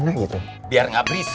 iya bu tapi